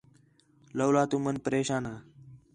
لَولا تُمن پریشان ہا